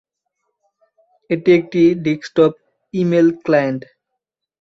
এটি একটি desktop email client.